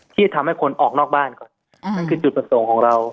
ที่ทำให้คนออกนอกบ้านก่อนนั่นคือจุดประสงค์ของเรา